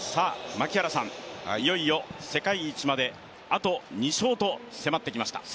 いよいよ世界一まであと２勝と迫ってきました。